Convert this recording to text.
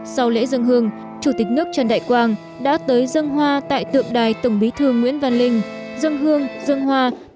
sau lễ dân hương chủ tịch nước trần đại quang đã tới dân hoa tại tượng đài tổng bí thư nguyễn văn linh